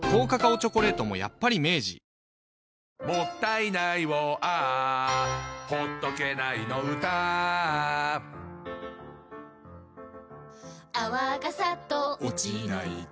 チョコレートもやっぱり明治「もったいないをＡｈ」「ほっとけないの唄Ａｈ」「泡がサッと落ちないと」